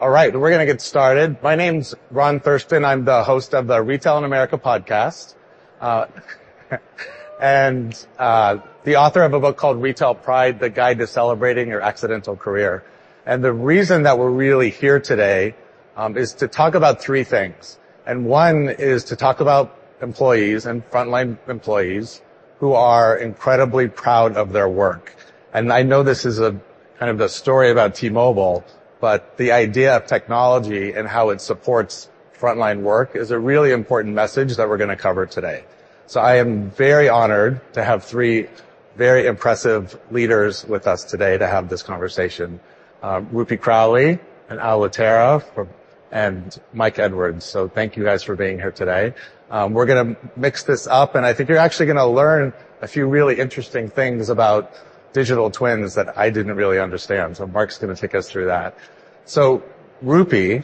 All right, we're gonna get started. My name's Ron Thurston. I'm the host of the Retail in America podcast, and the author of a book called Retail Pride: The Guide to Celebrating Your Accidental Career. The reason that we're really here today is to talk about three things, and one is to talk about employees and frontline employees who are incredibly proud of their work. I know this is a kind of a story about T-Mobile, but the idea of technology and how it supports frontline work is a really important message that we're gonna cover today. So I am very honored to have three very impressive leaders with us today to have this conversation. Roopi Crowley and Al Lettera and Mark Edwards. So thank you guys for being here today. We're gonna mix this up, and I think you're actually gonna learn a few really interesting things about digital twins that I didn't really understand, so Mark's gonna take us through that. So, Roopi,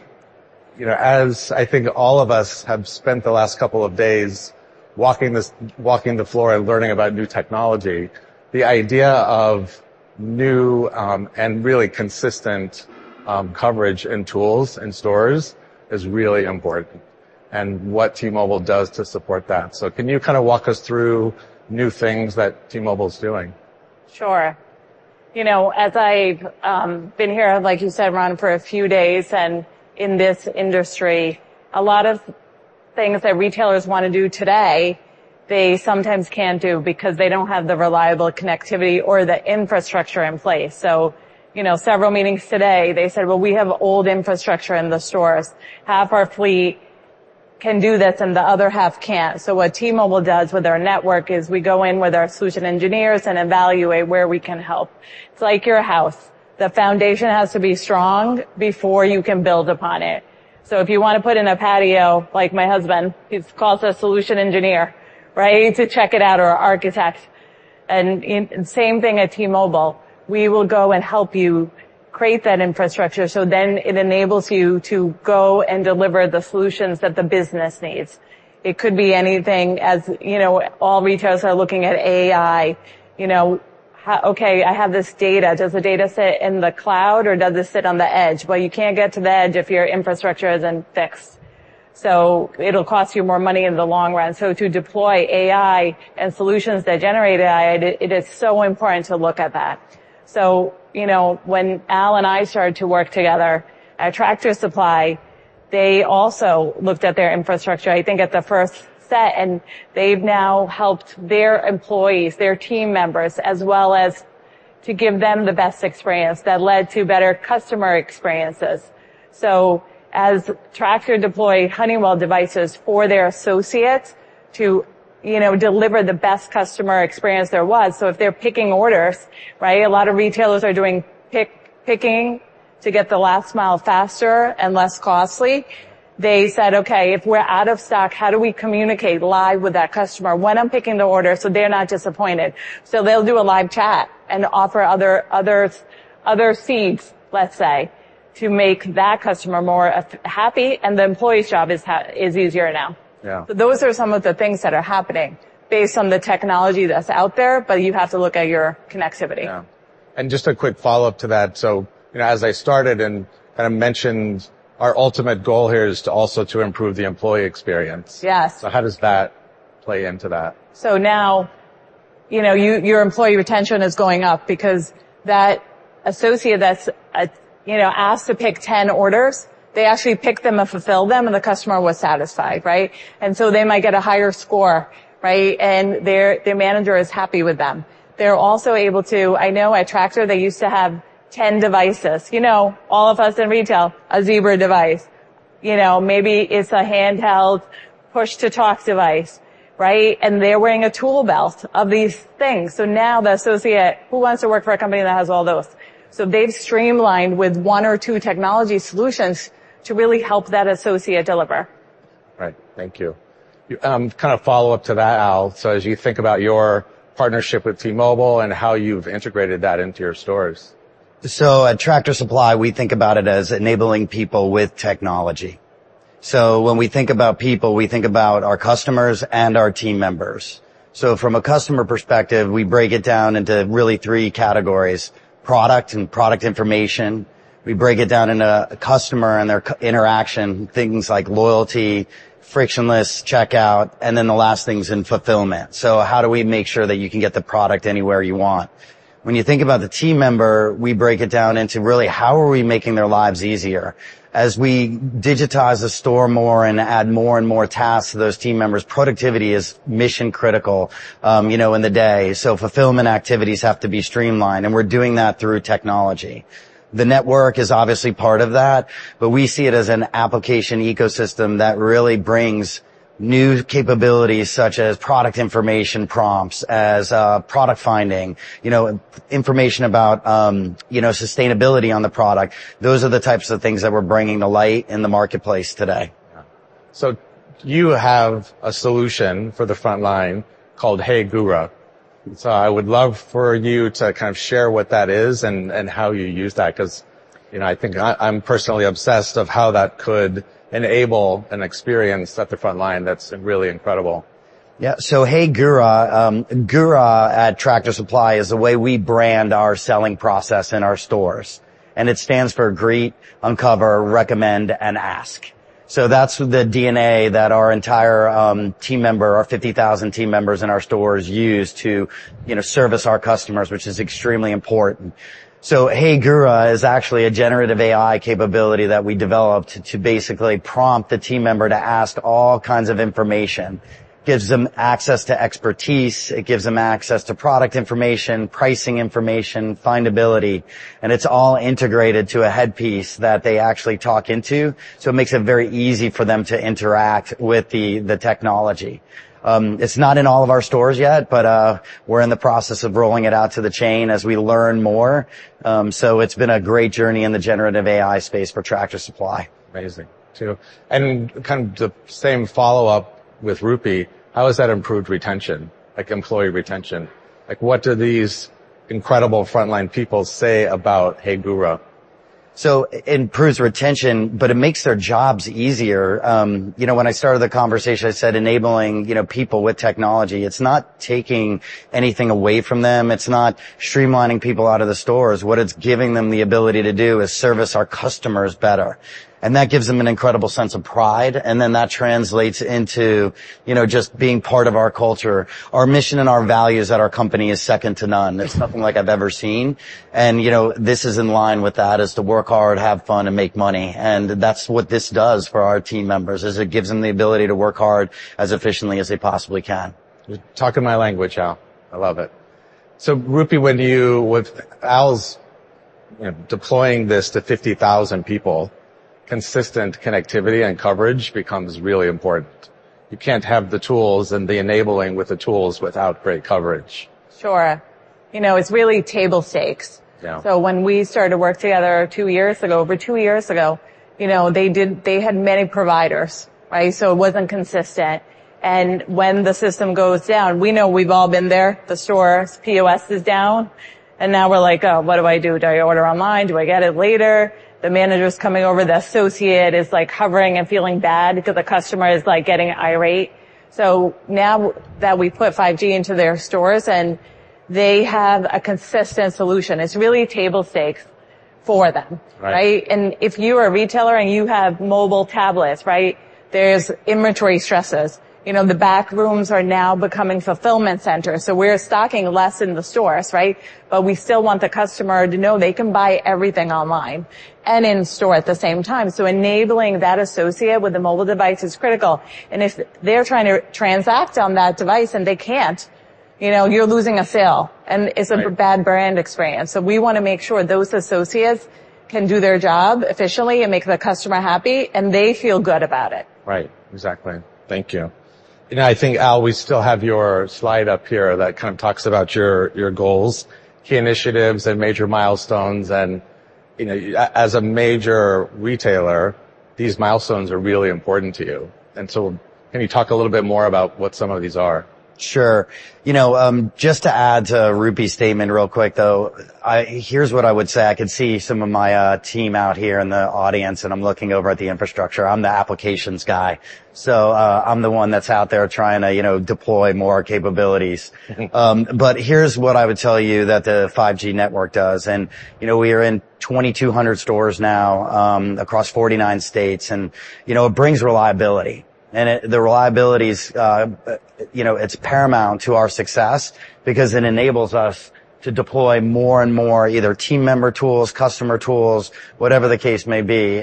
you know, as I think all of us have spent the last couple of days walking the floor and learning about new technology, the idea of new and really consistent coverage and tools in stores is really important and what T-Mobile does to support that. So can you kinda walk us through new things that T-Mobile's doing? Sure. You know, as I've been here, like you said, Ron, for a few days, and in this industry, a lot of things that retailers wanna do today, they sometimes can't do because they don't have the reliable connectivity or the infrastructure in place. So, you know, several meetings today, they said, "Well, we have old infrastructure in the stores. Half our fleet can do this, and the other half can't." So what T-Mobile does with our network is we go in with our solution engineers and evaluate where we can help. It's like your house. The foundation has to be strong before you can build upon it. So if you wanna put in a patio, like my husband, he calls a solution engineer, right, to check it out, or a architect. in the same thing at T-Mobile, we will go and help you create that infrastructure, so then it enables you to go and deliver the solutions that the business needs. It could be anything as, you know, all retailers are looking at AI. You know, okay, I have this data. Does the data sit in the cloud, or does it sit on the edge? Well, you can't get to the edge if your infrastructure isn't fixed, so it'll cost you more money in the long run. So to deploy AI and solutions that generate AI, it is so important to look at that. So, you know, when Al and I started to work together at Tractor Supply, they also looked at their infrastructure, I think at the first set, and they've now helped their employees, their team members, as well as to give them the best experience. That led to better customer experiences. So as Tractor deployed Honeywell devices for their associates to, you know, deliver the best customer experience there was... So if they're picking orders, right? A lot of retailers are doing pick, picking to get the last mile faster and less costly. They said, "Okay, if we're out of stock, how do we communicate live with that customer when I'm picking the order so they're not disappointed?" So they'll do a live chat and offer other, others, other seeds, let's say, to make that customer more happy, and the employee's job is easier now. Those are some of the things that are happening based on the technology that's out there, but you have to look at your connectivity. Yeah. Just a quick follow-up to that, so, you know, as I started and kinda mentioned, our ultimate goal here is to also to improve the employee experience. Yes. How does that play into that? So now, you know, your employee retention is going up because that associate that's, you know, asked to pick ten orders, they actually picked them and fulfilled them, and the customer was satisfied, right? And so they might get a higher score, right? And their, their manager is happy with them. They're also able to... I know at Tractor they used to have ten devices. You know, all of us in retail, a Zebra device. You know, maybe it's a handheld push-to-talk device, right? And they're wearing a tool belt of these things. So now the associate, who wants to work for a company that has all those? So they've streamlined with one or two technology solutions to really help that associate deliver. Right. Thank you. Kind of follow-up to that, Al, so as you think about your partnership with T-Mobile and how you've integrated that into your stores. At Tractor Supply, we think about it as enabling people with technology. When we think about people, we think about our customers and our team members. From a customer perspective, we break it down into really three categories: product and product information, customer and their customer interaction, things like loyalty, frictionless checkout, and then the last thing's in fulfillment. So how do we make sure that you can get the product anywhere you want? When you think about the team member, we break it down into really, how are we making their lives easier? As we digitize the store more and add more and more tasks to those team members, productivity is mission critical, you know, in the day. So fulfillment activities have to be streamlined, and we're doing that through technology. The network is obviously part of that, but we see it as an application ecosystem that really brings new capabilities, such as product information prompts, as, product finding, you know, information about, you know, sustainability on the product. Those are the types of things that we're bringing to light in the marketplace today. Yeah. So you have a solution for the front line called Hey GURA. So I would love for you to kind of share what that is and how you use that, 'cause, you know, I think I'm personally obsessed of how that could enable an experience at the front line that's really incredible.... Yeah, so Hey GURA, GURA at Tractor Supply is the way we brand our selling process in our stores, and it stands for Greet, Uncover, Recommend, and Ask. So that's the DNA that our entire team member, our 50,000 team members in our stores use to, you know, service our customers, which is extremely important. So Hey GURA is actually a generative AI capability that we developed to basically prompt the team member to ask all kinds of information. Gives them access to expertise, it gives them access to product information, pricing information, findability, and it's all integrated to a headpiece that they actually talk into, so it makes it very easy for them to interact with the technology. It's not in all of our stores yet, but we're in the process of rolling it out to the chain as we learn more. It's been a great journey in the generative AI space for Tractor Supply. Amazing, too. And kind of the same follow-up with Roopi, how has that improved retention, like employee retention? Like, what do these incredible frontline people say about Hey GURA? So it improves retention, but it makes their jobs easier. You know, when I started the conversation, I said, enabling, you know, people with technology. It's not taking anything away from them. It's not streamlining people out of the stores. What it's giving them the ability to do is service our customers better, and that gives them an incredible sense of pride, and then that translates into, you know, just being part of our culture. Our mission and our values at our company is second to none. It's nothing like I've ever seen. And, you know, this is in line with that, is to work hard, have fun, and make money. And that's what this does for our team members, is it gives them the ability to work hard as efficiently as they possibly can. You're talking my language, Al. I love it. So, Roopi, when you... With Al's, you know, deploying this to 50,000 people, consistent connectivity and coverage becomes really important. You can't have the tools and the enabling with the tools without great coverage. Sure. You know, it's really table stakes. So when we started to work together 2 years ago, over 2 years ago, you know, they had many providers, right? So it wasn't consistent. And when the system goes down, we know we've all been there, the store's POS is down, and now we're like, "Oh, what do I do? Do I order online? Do I get it later?" The manager's coming over, the associate is, like, hovering and feeling bad because the customer is, like, getting irate. So now that we've put 5G into their stores, and they have a consistent solution, it's really table stakes for them. Right. Right? And if you are a retailer and you have mobile tablets, right, there's inventory stresses. You know, the back rooms are now becoming fulfillment centers, so we're stocking less in the stores, right? But we still want the customer to know they can buy everything online and in store at the same time. So enabling that associate with a mobile device is critical. And if they're trying to transact on that device and they can't, you know, you're losing a sale, and- Right... it's a bad brand experience. So we wanna make sure those associates can do their job efficiently and make the customer happy, and they feel good about it. Right. Exactly. Thank you. You know, I think, Al, we still have your slide up here that kind of talks about your, your goals, key initiatives, and major milestones. And, you know, as a major retailer, these milestones are really important to you. And so can you talk a little bit more about what some of these are? Sure. You know, just to add to Roopi's statement real quick, though, Here's what I would say. I can see some of my team out here in the audience, and I'm looking over at the infrastructure. I'm the applications guy, so, I'm the one that's out there trying to, you know, deploy more capabilities. But here's what I would tell you that the 5G network does, and, you know, we are in 2,200 stores now, across 49 states, and, you know, it brings reliability. And it- the reliability's, you know, it's paramount to our success because it enables us to deploy more and more either team member tools, customer tools, whatever the case may be.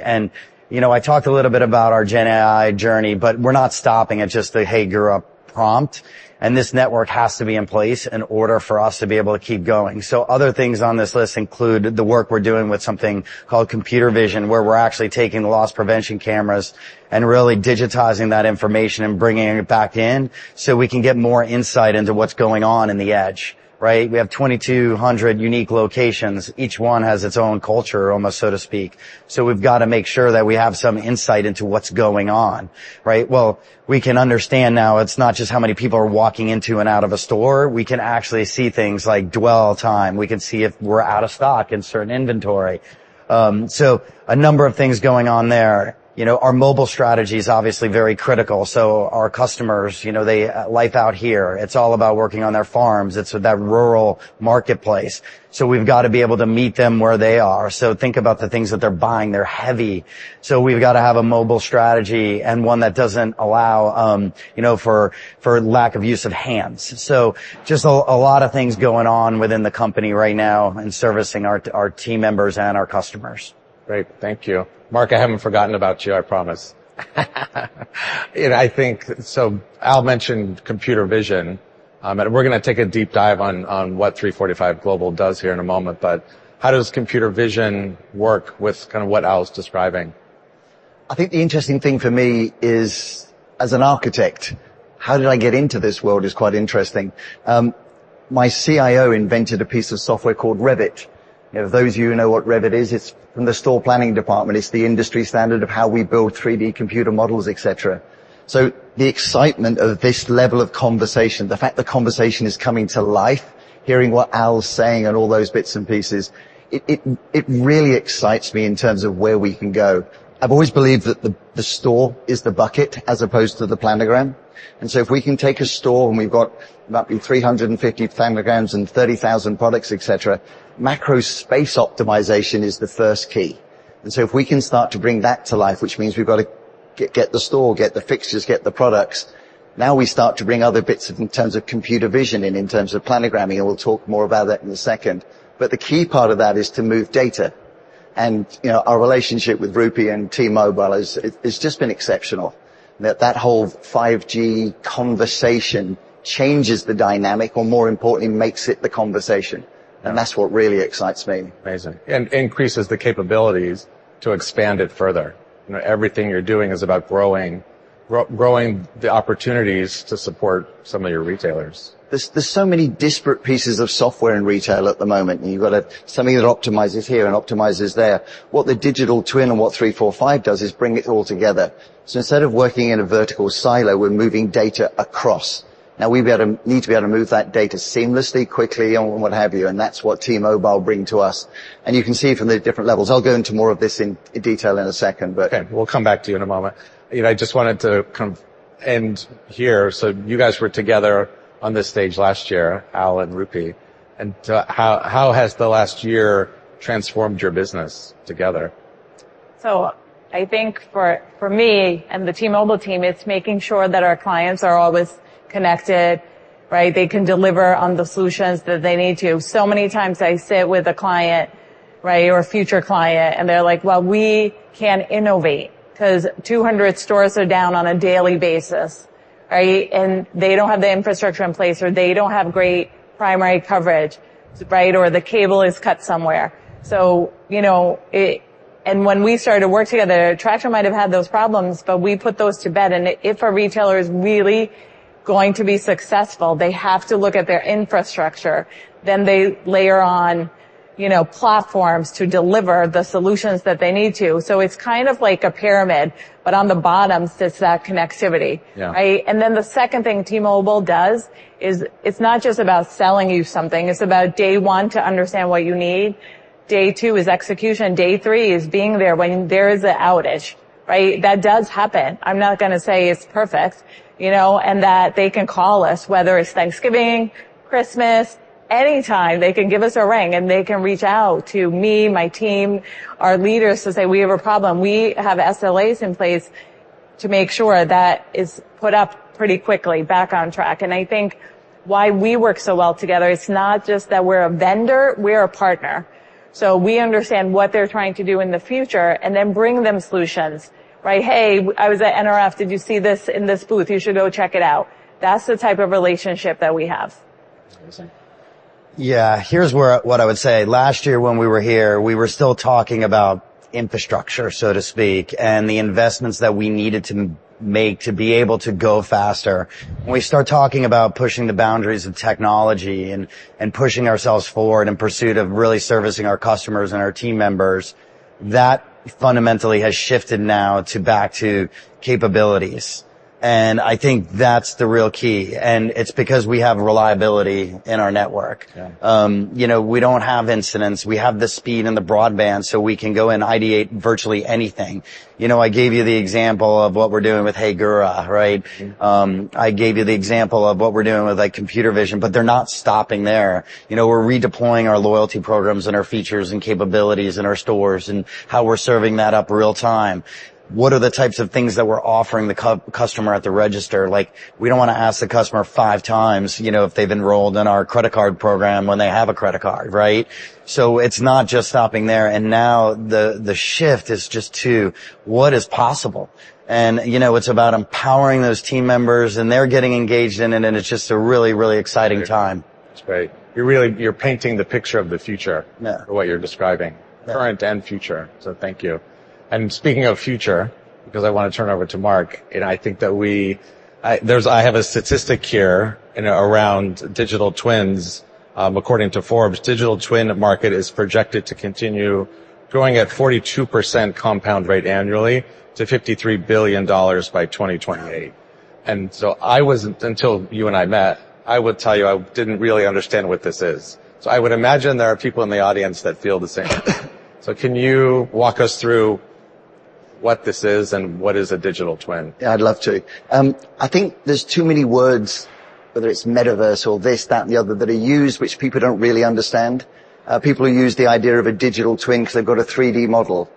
You know, I talked a little bit about our gen AI journey, but we're not stopping at just the Hey GURA prompt, and this network has to be in place in order for us to be able to keep going. Other things on this list include the work we're doing with something called computer vision, where we're actually taking loss prevention cameras and really digitizing that information and bringing it back in so we can get more insight into what's going on in the edge, right? We have 2,200 unique locations. Each one has its own culture, almost, so to speak. We've got to make sure that we have some insight into what's going on, right? Well, we can understand now, it's not just how many people are walking into and out of a store. We can actually see things like dwell time. We can see if we're out of stock in certain inventory. So a number of things going on there. You know, our mobile strategy is obviously very critical, so our customers, you know, they... life out here. It's all about working on their farms. It's that rural marketplace. So we've got to be able to meet them where they are. So think about the things that they're buying. They're heavy. So we've got to have a mobile strategy and one that doesn't allow, you know, for lack of use of hands. So just a lot of things going on within the company right now and servicing our team members and our customers. Great. Thank you. Mark, I haven't forgotten about you, I promise. I think... So Al mentioned computer vision, and we're gonna take a deep dive on what 345 Global does here in a moment, but how does computer vision work with kind of what Al's describing? I think the interesting thing for me is, as an architect, how did I get into this world is quite interesting. My CIO invented a piece of software called Revit. You know, for those of you who know what Revit is, it's from the store planning department. It's the industry standard of how we build 3D computer models, et cetera. So the excitement of this level of conversation, the fact the conversation is coming to life, hearing what Al's saying and all those bits and pieces, it really excites me in terms of where we can go. I've always believed that the store is the bucket as opposed to the planogram, and so if we can take a store, and we've got maybe 350 planograms and 30,000 products, et cetera, macro space optimization is the first key. And so if we can start to bring that to life, which means we've got to get the store, get the fixtures, get the products, now we start to bring other bits in terms of computer vision, in terms of planogramming, and we'll talk more about that in a second. But the key part of that is to move data. And, you know, our relationship with Roopi and T-Mobile is, it's just been exceptional, that whole 5G conversation changes the dynamic, or more importantly, makes it the conversation. And that's what really excites me. Amazing. Increases the capabilities to expand it further. You know, everything you're doing is about growing the opportunities to support some of your retailers. There's so many disparate pieces of software in retail at the moment. You've got something that optimizes here and optimizes there. What the digital twin and what 345 does is bring it all together. So instead of working in a vertical silo, we're moving data across. Now, we need to be able to move that data seamlessly, quickly, and what have you, and that's what T-Mobile bring to us. And you can see it from the different levels. I'll go into more of this in detail in a second, but- Okay, we'll come back to you in a moment. You know, I just wanted to kind of end here. So you guys were together on this stage last year, Al and Roopi, and so how has the last year transformed your business together? So I think for me and the T-Mobile team, it's making sure that our clients are always connected, right? They can deliver on the solutions that they need to. So many times I sit with a client, right, or a future client, and they're like: "Well, we can't innovate 'cause 200 stores are down on a daily basis," right? And they don't have the infrastructure in place, or they don't have great primary coverage, right? Or the cable is cut somewhere. So, you know, it. And when we started to work together, Tractor might have had those problems, but we put those to bed, and if a retailer is really going to be successful, they have to look at their infrastructure. Then they layer on, you know, platforms to deliver the solutions that they need to. It's kind of like a pyramid, but on the bottom sits that connectivity. Yeah. Right? And then the second thing T-Mobile does is, it's not just about selling you something. It's about, day one, to understand what you need. Day two is execution. Day three is being there when there is an outage, right? That does happen. I'm not gonna say it's perfect, you know, and that they can call us, whether it's Thanksgiving, Christmas, anytime they can give us a ring, and they can reach out to me, my team, our leaders, to say, "We have a problem." We have SLAs in place to make sure that is put up pretty quickly back on track. And I think why we work so well together, it's not just that we're a vendor, we're a partner. So we understand what they're trying to do in the future and then bring them solutions, right? "Hey, I was at NRF. Did you see this in this booth? You should go check it out." That's the type of relationship that we have. Amazing. Yeah. Here's where what I would say. Last year, when we were here, we were still talking about infrastructure, so to speak, and the investments that we needed to make to be able to go faster. When we start talking about pushing the boundaries of technology and pushing ourselves forward in pursuit of really servicing our customers and our team members, that fundamentally has shifted now to back to capabilities, and I think that's the real key, and it's because we have reliability in our network. Yeah. You know, we don't have incidents. We have the speed and the broadband, so we can go and ideate virtually anything. You know, I gave you the example of what we're doing with Hey GURA, right? I gave you the example of what we're doing with, like, computer vision, but they're not stopping there. You know, we're redeploying our loyalty programs and our features and capabilities in our stores and how we're serving that up real time. What are the types of things that we're offering the customer at the register? Like, we don't wanna ask the customer five times, you know, if they've enrolled in our credit card program when they have a credit card, right? So it's not just stopping there, and now the shift is just to what is possible. And, you know, it's about empowering those team members, and they're getting engaged in it, and it's just a really, really exciting time. Great. You're really painting the picture of the future-... what you're describing. Current and future, so thank you. Speaking of future, because I want to turn over to Mark, and I think that I have a statistic here, you know, around digital twins. According to Forbes, digital twin market is projected to continue growing at 42% compound rate annually to $53 billion by 2028. So I was, until you and I met, I would tell you I didn't really understand what this is. I would imagine there are people in the audience that feel the same. Can you walk us through what this is and what is a digital twin? Yeah, I'd love to. I think there's too many words, whether it's metaverse or this, that, and the other, that are used, which people don't really understand. People use the idea of a digital twin 'cause they've got a 3D model.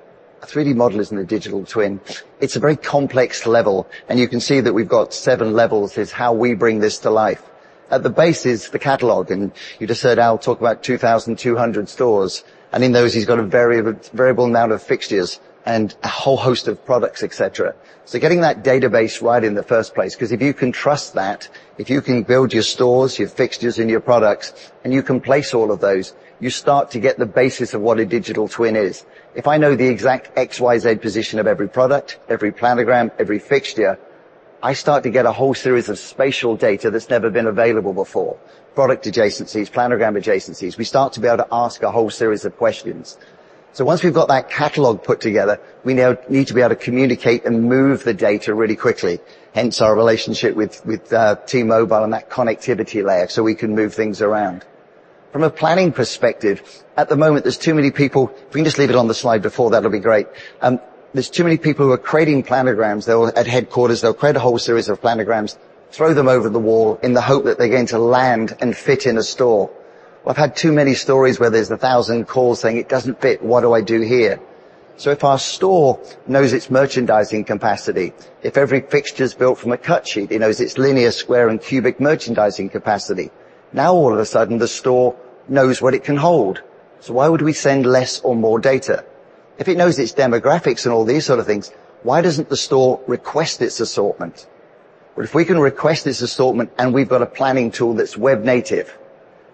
A 3D model isn't a digital twin. It's a very complex level, and you can see that we've got seven levels, is how we bring this to life. At the base is the catalog, and you just heard Al talk about 2,200 stores, and in those, he's got a variable amount of fixtures and a whole host of products, et cetera. So getting that database right in the first place, 'cause if you can trust that, if you can build your stores, your fixtures, and your products, and you can place all of those, you start to get the basis of what a digital twin is. If I know the exact XYZ position of every product, every planogram, every fixture, I start to get a whole series of spatial data that's never been available before, product adjacencies, planogram adjacencies. We start to be able to ask a whole series of questions.... So once we've got that catalog put together, we now need to be able to communicate and move the data really quickly, hence our relationship with T-Mobile and that connectivity layer, so we can move things around. From a planning perspective, at the moment, there's too many people. If we can just leave it on the slide before, that'll be great. There's too many people who are creating planograms, though, at headquarters. They'll create a whole series of planograms, throw them over the wall in the hope that they're going to land and fit in a store. I've had too many stories where there's 1,000 calls saying, "It doesn't fit. What do I do here?" So if our store knows its merchandising capacity, if every fixture is built from a cut sheet, it knows its linear, square, and cubic merchandising capacity, now all of a sudden, the store knows what it can hold. So why would we send less or more data? If it knows its demographics and all these sort of things, why doesn't the store request its assortment? But if we can request this assortment, and we've got a planning tool that's web native,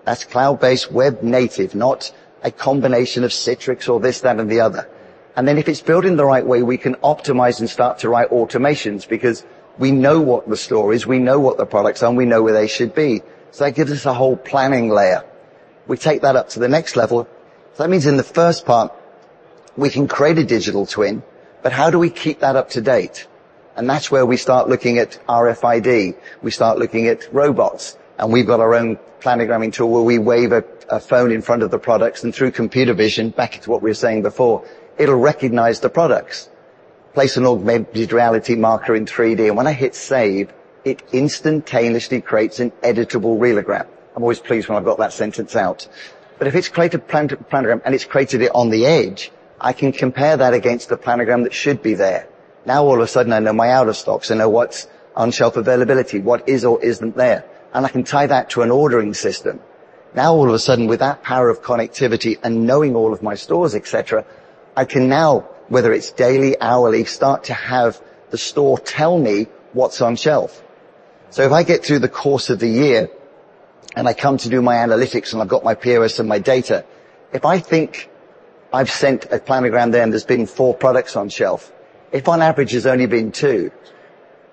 that's cloud-based, web native, not a combination of Citrix or this, that, and the other. And then if it's built in the right way, we can optimize and start to write automations because we know what the store is, we know what the products are, and we know where they should be. So that gives us a whole planning layer. We take that up to the next level. That means in the first part, we can create a digital twin, but how do we keep that up to date? And that's where we start looking at RFID. We start looking at robots, and we've got our own planogramming tool where we wave a phone in front of the products, and through computer vision, back to what we were saying before, it'll recognize the products, place an augmented reality marker in 3D, and when I hit save, it instantaneously creates an editable realogram. I'm always pleased when I've got that sentence out. But if it's created planogram, and it's created it on the edge, I can compare that against the planogram that should be there. Now, all of a sudden, I know my out-of-stocks, I know what's on-shelf availability, what is or isn't there, and I can tie that to an ordering system. Now, all of a sudden, with that power of connectivity and knowing all of my stores, et cetera, I can now, whether it's daily, hourly, start to have the store tell me what's on shelf. So if I get through the course of the year, and I come to do my analytics, and I've got my POS and my data, if I think I've sent a planogram there, and there's been four products on shelf, if on average, there's only been two,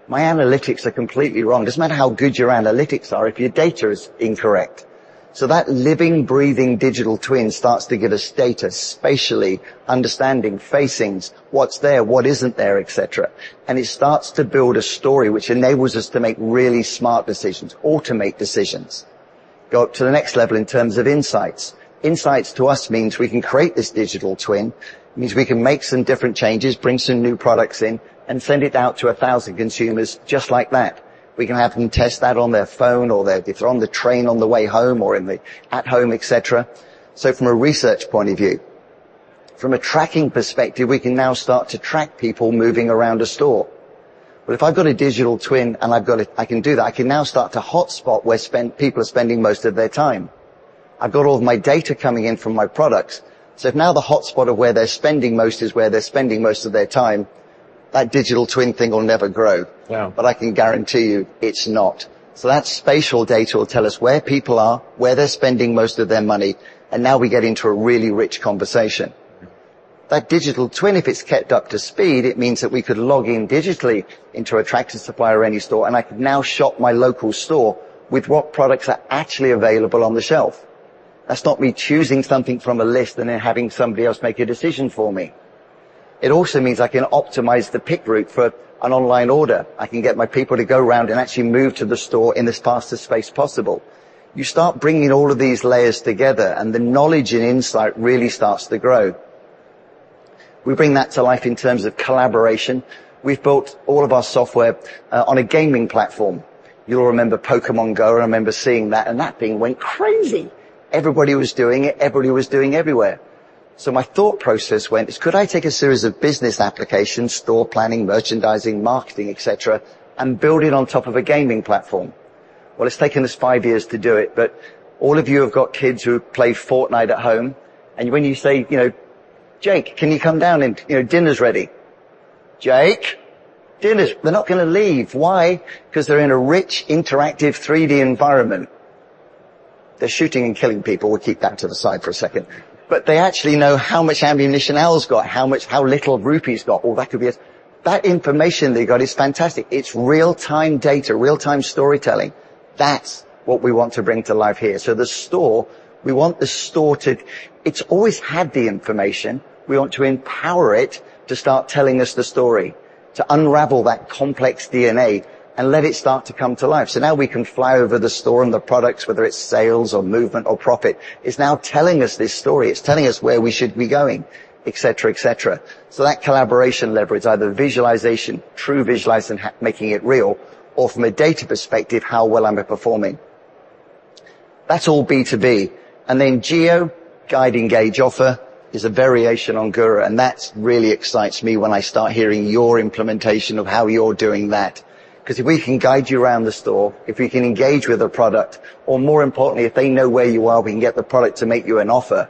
my analytics are completely wrong. It doesn't matter how good your analytics are if your data is incorrect. So that living, breathing digital twin starts to give us data, spatially understanding facings, what's there, what isn't there, et cetera. And it starts to build a story which enables us to make really smart decisions, automate decisions. Go up to the next level in terms of insights. Insights to us means we can create this digital twin. It means we can make some different changes, bring some new products in, and send it out to 1,000 consumers just like that. We can have them test that on their phone or their... If they're on the train on the way home or in the - at home, et cetera. So from a research point of view, from a tracking perspective, we can now start to track people moving around a store. But if I've got a digital twin and I've got it, I can do that. I can now start to hotspot where spend - people are spending most of their time. I've got all of my data coming in from my products. So if now the hotspot of where they're spending most is where they're spending most of their time, that digital twin thing will never grow. Wow! But I can guarantee you it's not. So that spatial data will tell us where people are, where they're spending most of their money, and now we get into a really rich conversation. That digital twin, if it's kept up to speed, it means that we could log in digitally into a Tractor Supply or any store, and I could now shop my local store with what products are actually available on the shelf. That's not me choosing something from a list and then having somebody else make a decision for me. It also means I can optimize the pick route for an online order. I can get my people to go around and actually move to the store in as fastest space possible. You start bringing all of these layers together, and the knowledge and insight really starts to grow. We bring that to life in terms of collaboration. We've built all of our software on a gaming platform. You'll remember Pokémon Go. I remember seeing that, and that thing went crazy. Everybody was doing it. Everybody was doing everywhere. So my thought process went, could I take a series of business applications, store planning, merchandising, marketing, et cetera, and build it on top of a gaming platform? Well, it's taken us 5 years to do it, but all of you have got kids who play Fortnite at home, and when you say, you know, "Jake, can you come down and, you know, dinner's ready. Jake, dinner's..." They're not gonna leave. Why? Because they're in a rich, interactive 3D environment. They're shooting and killing people. We'll keep that to the side for a second. But they actually know how much ammunition Al's got, how much, how little Roopi's got, or that could be us. That information they got is fantastic. It's real-time data, real-time storytelling. That's what we want to bring to life here. So the store, we want the store to... It's always had the information. We want to empower it to start telling us the story, to unravel that complex DNA and let it start to come to life. So now we can fly over the store and the products, whether it's sales or movement or profit, it's now telling us this story. It's telling us where we should be going, et cetera, et cetera. So that collaboration leverage, either visualization, true visualize and making it real, or from a data perspective, how well am I performing? That's all B2B. And then GEO, guide, engage, offer, is a variation on GURA, and that really excites me when I start hearing your implementation of how you're doing that. 'Cause if we can guide you around the store, if we can engage with a product, or more importantly, if they know where you are, we can get the product to make you an offer,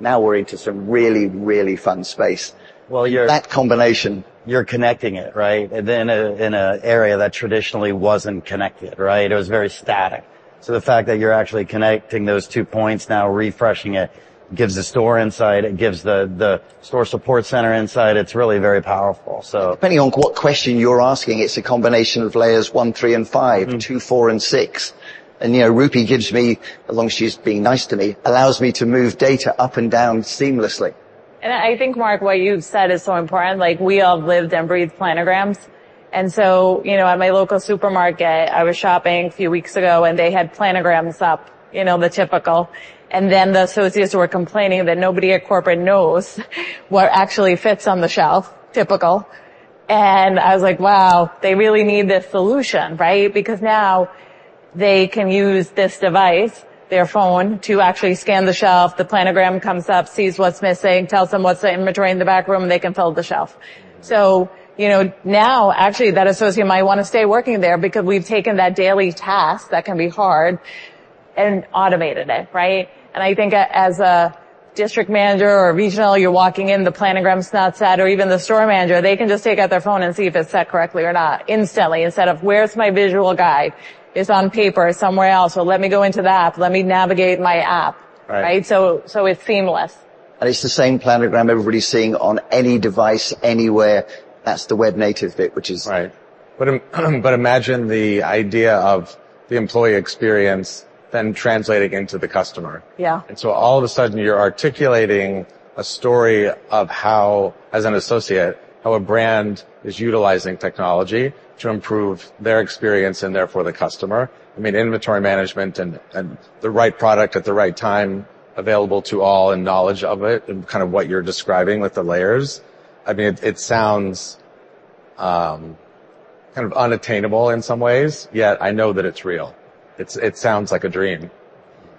now we're into some really, really fun space. Well, you're- That combination. You're connecting it, right? And then in an area that traditionally wasn't connected, right? It was very static. So the fact that you're actually connecting those two points now, refreshing it, gives the store insight, it gives the Store Support Center insight. It's really very powerful. So- Depending on what question you're asking, it's a combination of layers one, three, and five- 2, 4, and 6. And, you know, Roopi gives me, as long as she's being nice to me, allows me to move data up and down seamlessly.… I think, Mark, what you've said is so important. Like, we all lived and breathed planograms, and so, you know, at my local supermarket, I was shopping a few weeks ago, and they had planograms up, you know, the typical. Then, the associates were complaining that nobody at corporate knows what actually fits on the shelf. Typical. And I was like, "Wow, they really need this solution," right? Because now they can use this device, their phone, to actually scan the shelf. The planogram comes up, sees what's missing, tells them what's the inventory in the back room, and they can fill the shelf. So, you know, now, actually, that associate might want to stay working there because we've taken that daily task that can be hard and automated it, right? I think as a district manager or regional, you're walking in, the Planogram's not set, or even the store manager, they can just take out their phone and see if it's set correctly or not instantly, instead of, "Where's my visual guide? It's on paper somewhere else, so let me go into the app. Let me navigate my app. Right. Right? So, so it's seamless. It's the same planogram everybody's seeing on any device, anywhere. That's the web native bit, which is- Right. But, but imagine the idea of the employee experience then translating into the customer. Yeah. And so all of a sudden, you're articulating a story of how, as an associate, how a brand is utilizing technology to improve their experience and therefore the customer. I mean, inventory management and the right product at the right time available to all and knowledge of it and kind of what you're describing with the layers, I mean, it sounds kind of unattainable in some ways, yet I know that it's real. It sounds like a dream.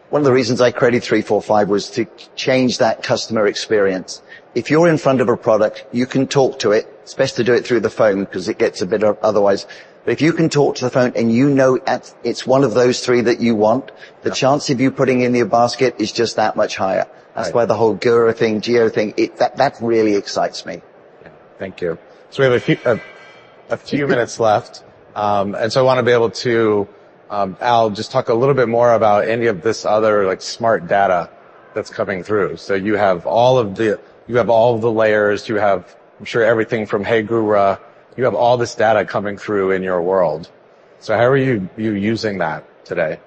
One of the reasons I created 345 was to change that customer experience. If you're in front of a product, you can talk to it. It's best to do it through the phone because it gets a bit, otherwise... But if you can talk to the phone and you know it's one of those three that you want- Yeah... the chance of you putting it in your basket is just that much higher. Right. That's why the whole GURA thing, GEO thing, it, that really excites me. Yeah. Thank you. So we have a few minutes left, and so I want to be able to, Al, just talk a little bit more about any of this other, like, smart data that's coming through. So you have all the layers, you have, I'm sure, everything from Hey GURA, you have all this data coming through in your world. So how are you using that today?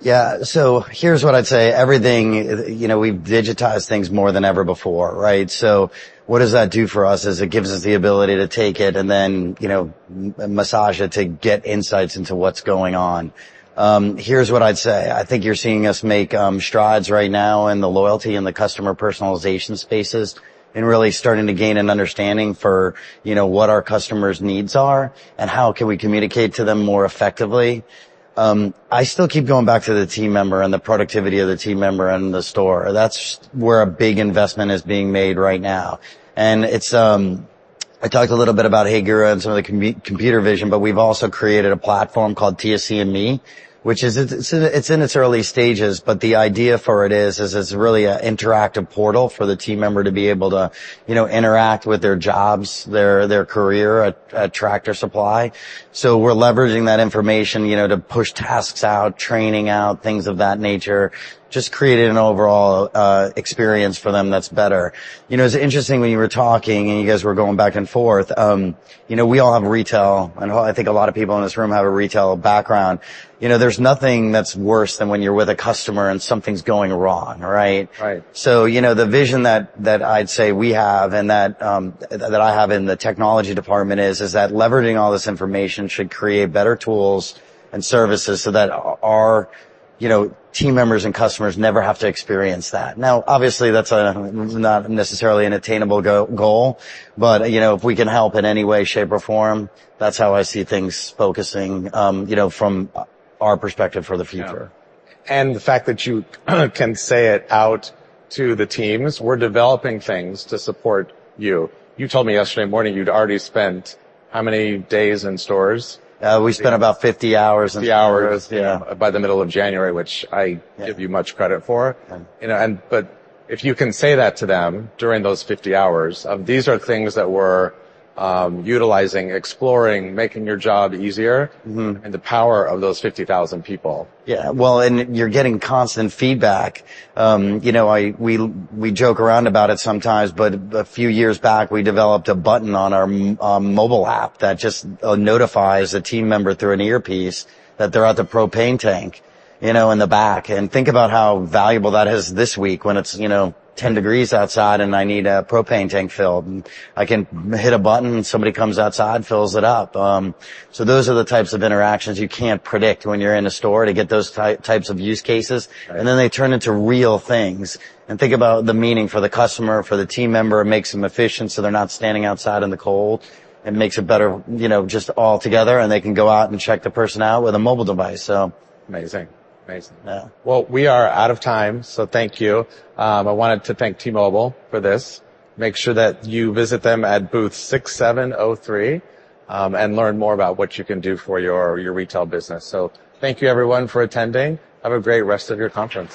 Yeah. So here's what I'd say: everything, you know, we've digitized things more than ever before, right? So what does that do for us, is it gives us the ability to take it and then, you know, massage it to get insights into what's going on. Here's what I'd say: I think you're seeing us make strides right now in the loyalty and the customer personalization spaces and really starting to gain an understanding for, you know, what our customers' needs are and how can we communicate to them more effectively. I still keep going back to the team member and the productivity of the team member and the store. That's where a big investment is being made right now. And it's... I talked a little bit about Hey GURA and some of the computer vision, but we've also created a platform called TSC Me, which is, it's in its early stages, but the idea for it is it's really a interactive portal for the team member to be able to, you know, interact with their jobs, their career at Tractor Supply. So we're leveraging that information, you know, to push tasks out, training out, things of that nature, just creating an overall experience for them that's better. You know, it's interesting, when you were talking, and you guys were going back and forth, you know, we all have retail, and I think a lot of people in this room have a retail background. You know, there's nothing that's worse than when you're with a customer, and something's going wrong, right? Right. So, you know, the vision that I'd say we have and that I have in the technology department is that leveraging all this information should create better tools and services so that our, you know, team members and customers never have to experience that. Now, obviously, that's not necessarily an attainable goal, but, you know, if we can help in any way, shape, or form, that's how I see things focusing, you know, from our perspective for the future. Yeah. And the fact that you can say it out to the teams, we're developing things to support you. You told me yesterday morning you'd already spent how many days in stores? We spent about 50 hours in stores. Fifty hours. By the middle of January, which I give you much credit for. Thanks. You know, if you can say that to them during those 50 hours, these are things that we're utilizing, exploring, making your job easier and the power of those 50,000 people. Yeah. Well, and you're getting constant feedback. You know, we joke around about it sometimes, but a few years back, we developed a button on our mobile app that just notifies a team member through an earpiece that they're out of propane tank, you know, in the back. And think about how valuable that is this week when it's, you know, 10 degrees outside, and I need a propane tank filled. I can hit a button, and somebody comes outside, fills it up. So those are the types of interactions you can't predict when you're in a store to get those types of use cases. Right. And then they turn into real things. And think about the meaning for the customer, for the team member. It makes them efficient, so they're not standing outside in the cold, and makes it better, you know, just altogether, and they can go out and check the person out with a mobile device, so. Amazing. Amazing. Well, we are out of time, so thank you. I wanted to thank T-Mobile for this. Make sure that you visit them at booth 6703, and learn more about what you can do for your, your retail business. So thank you, everyone, for attending. Have a great rest of your conference.